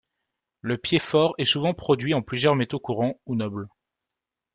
Le piéfort est souvent produit en plusieurs métaux courants ou nobles.